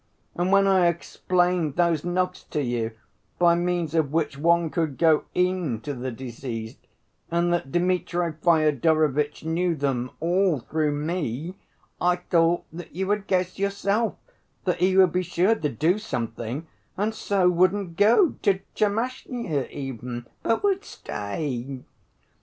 And when I explained those knocks to you, by means of which one could go in to the deceased, and that Dmitri Fyodorovitch knew them all through me, I thought that you would guess yourself that he would be sure to do something, and so wouldn't go to Tchermashnya even, but would stay."